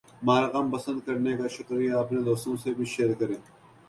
ہمارا کام پسند کرنے کا شکریہ! اپنے دوستوں سے بھی شیئر کریں۔